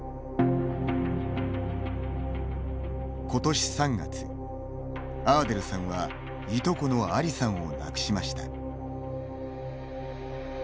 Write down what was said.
今年３月、アーデルさんはいとこのアリさんを亡くしました。